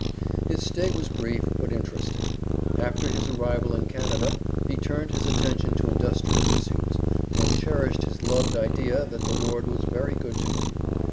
His stay was brief, but interesting. After his arrival in Canada he turned his attention to industrial pursuits, and cherished his loved idea that the Lord was very good to him.